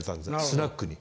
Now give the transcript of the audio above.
スナックに。